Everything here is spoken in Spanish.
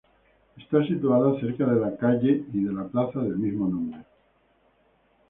Está situada cerca de la calle y de la plaza de mismo nombre.